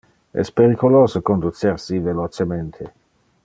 Es periculose conducer si velocemente.